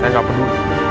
saya nggak perlu